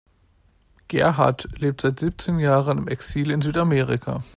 Gerhard lebt seit siebzehn Jahren im Exil in Südamerika.